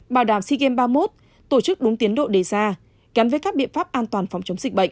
bảo đảm sea games ba mươi một tổ chức đúng tiến độ đề ra gắn với các biện pháp an toàn phòng chống dịch bệnh